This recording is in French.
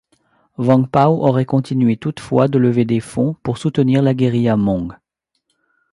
Vang Pao aurait continué toutefois de lever des fonds pour soutenir la guérilla hmong.